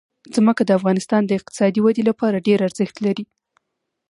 ځمکه د افغانستان د اقتصادي ودې لپاره ډېر ارزښت لري.